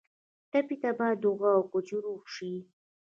ټپي ته باید دعا کوو چې روغ شي.